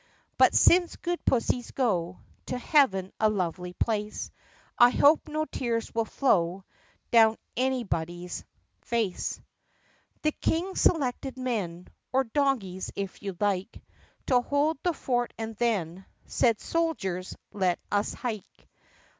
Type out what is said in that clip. (But since good pussies go To heaven, a lovely place, I hope no tears will flow Down anybody's face.) 128 THE PUSSYCAT PRINCESS The king selected men (Or doggies, if you like) To hold the fort and then Said, "Soldiers, let us hike